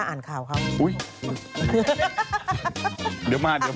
จากกระแสของละครกรุเปสันนิวาสนะฮะ